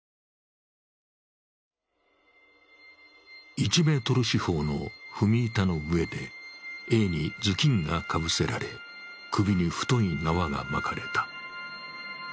１メートル四方の踏み板の上でＡに頭巾がかぶせられ、首に太い縄が巻かれた。